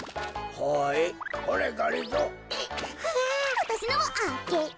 わたしのもあげる。